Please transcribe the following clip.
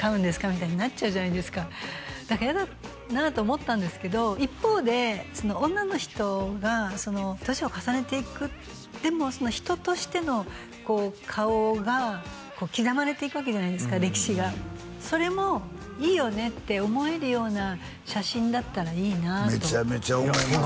みたいになっちゃうじゃないですかだから嫌だなと思ったんですけど一方で女の人が年を重ねていくでも人としての顔が刻まれていくわけじゃないですか歴史がそれもいいよねって思えるような写真だったらいいなとめちゃめちゃ思いますね